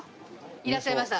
いらっしゃいました。